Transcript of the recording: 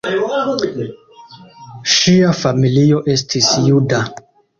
Ŝia familio estis juda.